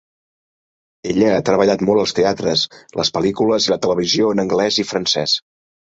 Ella ha treballat molt als teatres, les pel·lícules i la televisió en anglès i francès.